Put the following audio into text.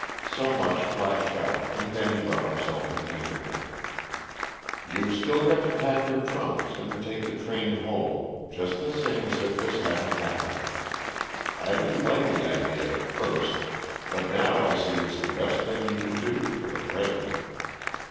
So much flashed out, and then he brought himself in hand again. "You've still got to pack your trunks, and take the train home, just the same as if this hadn't happened. I didn't like the idea at first, but now I see it's the best thing you can do, for the present.